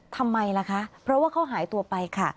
ทำไมล่ะคะเพราะว่าเขาหายตัวไปค่ะ